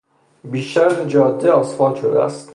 بیشتر جاده آسفالت شده است.